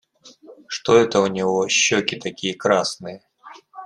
Что это у него щеки такие красные?